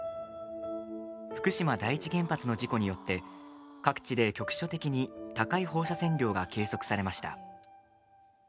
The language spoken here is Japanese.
福島第一原発の事故によって各地で局所的に高い放射線量が計測されました。